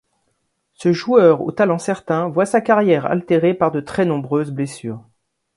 Ce joueur, au talent certain, voit sa carrière altérée par de très nombreuses blessures.